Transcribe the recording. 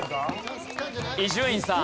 伊集院さん。